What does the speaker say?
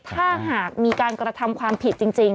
ถ้าหากมีการกระทำความผิดจริง